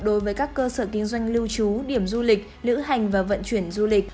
đối với các cơ sở kinh doanh lưu trú điểm du lịch lữ hành và vận chuyển du lịch